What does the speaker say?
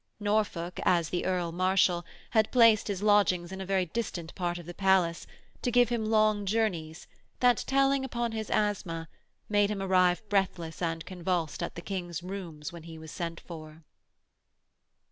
Norfolk, as the Earl Marshal, had placed his lodgings in a very distant part of the palace to give him long journeys that, telling upon his asthma, made him arrive breathless and convulsed at the King's rooms when he was sent for.